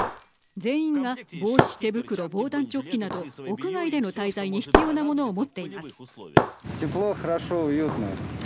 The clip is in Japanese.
全員が帽子、手袋防弾チョッキなど屋外での滞在に必要なものを持っています。